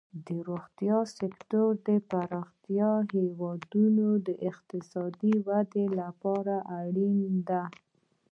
د روغتیا سکتور پراختیا د هیواد د اقتصادي ودې لپاره اړینه ده.